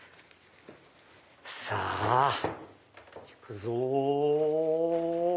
さぁ行くぞ！